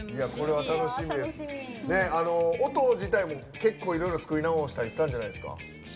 音自体も結構いろいろ作り直したりしたんじゃないですか？